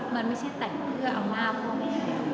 มันไม่ใช่แต่เพื่อเอาหน้าเพราะแม่